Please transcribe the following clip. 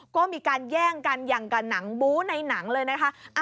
ก็มีการแย่งกันอย่างกับหนังบู้ในหนังเลยนะคะ